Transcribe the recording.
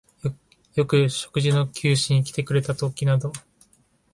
よく食事の給仕にきてくれたときなど、